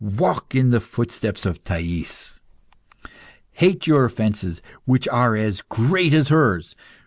Walk in the footsteps of Thais. Hate your offenses, which are as great as hers.